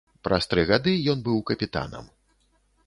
Праз тры гады ён быў капітанам.